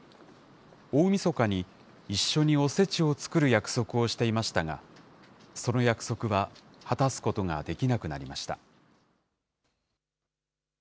大みそかに、一緒におせちを作る約束をしていましたが、その約束は果たすことができなくなりました。